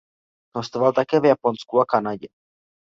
Hostoval také v Japonsku a Kanadě.